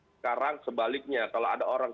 sekarang sebaliknya kalau ada orang